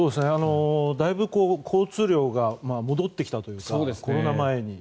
だいぶ交通量が戻ってきたというかコロナ前に。